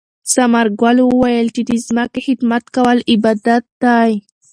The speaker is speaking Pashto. ثمر ګل وویل چې د ځمکې خدمت کول عبادت دی.